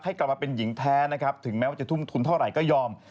กลับมาเป็นหญิงแท้นะครับถึงแม้ว่าจะทุ่มทุนเท่าไหร่ก็ยอม